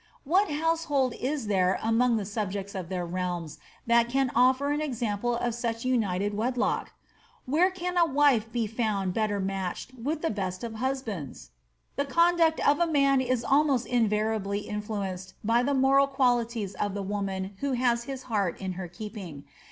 ^What household is there among the subjects of their realms that can offer an example of such united wedlock? ^Vhe^e can a wife be found better matched with the best of husbands ?" The conduct of a man is almost invariably influenced by the moral qualities of the woman who has his heart in her keeping.